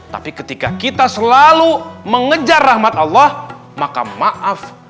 tapi ketika kita selalu mengejar rahmat allah maka maaf